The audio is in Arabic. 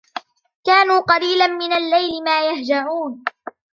كَانُوا قَلِيلًا مِنَ اللَّيْلِ مَا يَهْجَعُونَ